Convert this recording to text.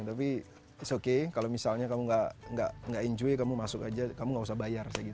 tapi ⁇ its ⁇ okay kalau misalnya kamu gak enjoy kamu masuk aja kamu gak usah bayar